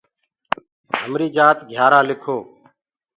همريٚ جآت گھِيآرآ لِکو۔